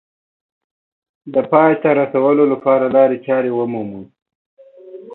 د پای ته رسولو لپاره لارې چارې ومومي